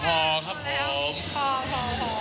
พอครับพอพอพอพอ